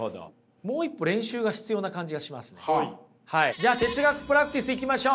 じゃあ哲学プラクティスいきましょう！